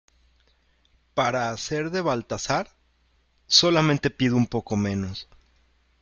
para hacer de Baltasar. solamente pido un poco menos